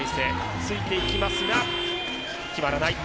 ついていきますが決まらない。